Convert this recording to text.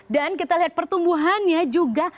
dan kita lihat pertumbuhannya juga